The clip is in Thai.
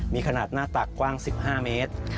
มีขนาดหน้าตักกว้าง๑๕เมตร